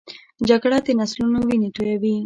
جګړه د نسلونو وینې تویوي